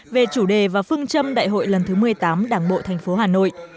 về chủ đề và phương châm đại hội lần thứ một mươi tám đảng bộ tp hà nội